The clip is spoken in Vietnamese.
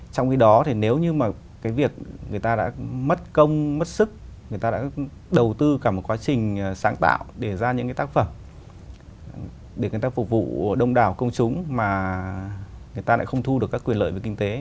trong khi đó thì nếu như mà cái việc người ta đã mất công mất sức người ta đã đầu tư cả một quá trình sáng tạo để ra những cái tác phẩm để người ta phục vụ đông đảo công chúng mà người ta lại không thu được các quyền lợi về kinh tế